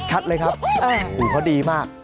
ชัดเลยครับเขาดีมาก